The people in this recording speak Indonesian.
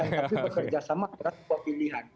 tapi bekerja sama dengan sebuah pilihan